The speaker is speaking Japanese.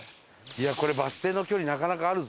バス停の距離なかなかあるぞ。